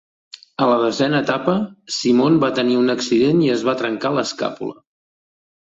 A la desena etapa, Simon va tenir un accident i es va trencar l'escàpula.